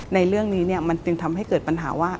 ในเรื่องนี้มันจึงทำให้เกิดปัญหาว่า